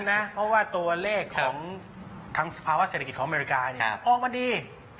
เหงียนเลยนะเพราะว่าตัวเลขของทางสภาวะเศรษฐกิจของอเมริกาเนี่ยออกมาดี